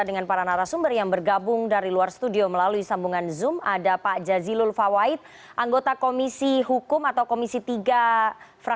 selamat malam mbak nana selamat malam pak rasman dan seluruh narasumber